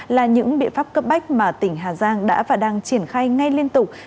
là những biện pháp cấp bách mà tỉnh hà giang đã và đang triển khai ngay liên tục